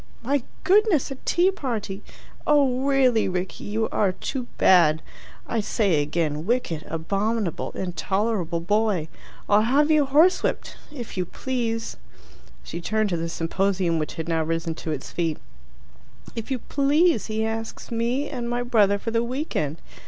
"My goodness, a tea party! Oh really, Rickie, you are too bad! I say again: wicked, abominable, intolerable boy! I'll have you horsewhipped. If you please" she turned to the symposium, which had now risen to its feet "If you please, he asks me and my brother for the week end.